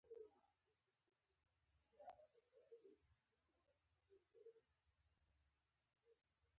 عقیده او دین دلته شرط نه دي.